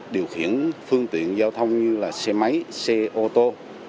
điều khiển phương tiện giao thông như là xe máy xe ô tô